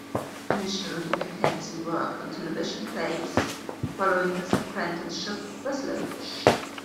Initially, Mackenzie worked on television plays, following his apprenticeship with Loach.